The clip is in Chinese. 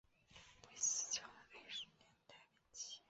归驷桥的历史年代为清。